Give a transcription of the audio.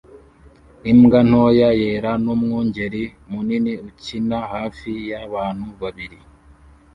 Imbwa ntoya yera numwungeri munini ukina hafi yabantu babiri